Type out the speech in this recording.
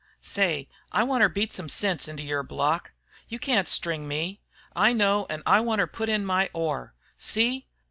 Say, I wanter beat some sense into yer block. You can't string me. I know, an' I wanter put in my oar. See!